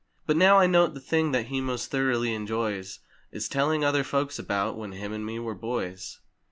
But now I note the thing that he most thoroughly enjoys Is telling other folks about, "When him and me were boys!"